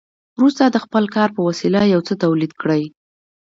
وروسته د خپل کار په وسیله یو څه تولید کړي